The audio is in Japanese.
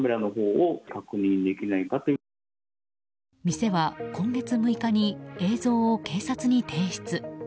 店は、今月６日に映像を警察に提出。